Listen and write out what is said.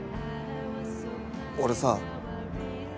俺さ。